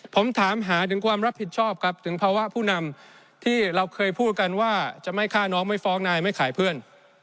ผมถามหาถึงความรับผิดชอบครับถึงภาวะผู้นำที่เราเคยพูดกันว่าจะไม่ฆ่าน้องไม่ฟ้องนายไม่ขายเพื่อน